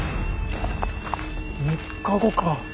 ３日後か。